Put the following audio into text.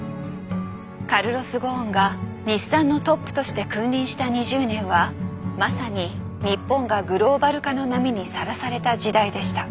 カルロス・ゴーンが日産のトップとして君臨した２０年はまさに日本がグローバル化の波にさらされた時代でした。